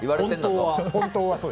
本当は。